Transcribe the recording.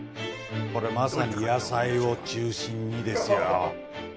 これまさに野菜を中心にですよ。